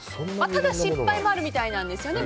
ただ失敗もあるみたいなんですよね。